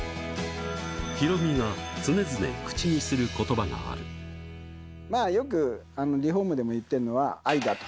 ヒロミが常々口にすることばまあ、よくリフォームでも言ってんのは、愛だと。